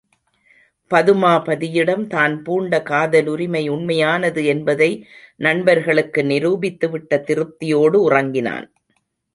பதுமாபதியிடம் தான் பூண்ட காதலுரிமை உண்மையானது என்பதை நண்பர்களுக்கு நிரூபித்துவிட்ட திருப்தியோடு உறங்கினான்.